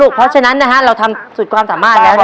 เพราะฉะนั้นนะฮะเราทำสุดความสามารถแล้วนะครับ